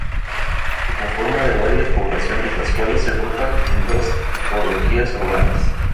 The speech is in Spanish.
Se conforma de varias poblaciones, las cuales se agrupan en dos tipologías urbanas.